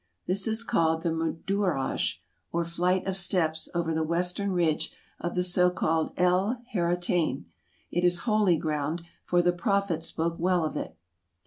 This is called the Mudarraj, or flight of steps over the western ridge of the so called El Harratain ; it is holy ground, for the Prophet spoke well of it.